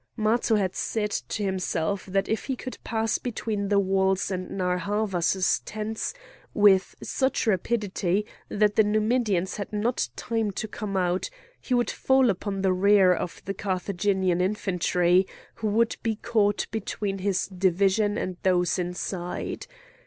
Matho had said to himself that if he could pass between the walls and Narr' Havas's tents with such rapidity that the Numidians had not time to come out, he could fall upon the rear of the Carthaginian infantry, who would be caught between his division and those inside.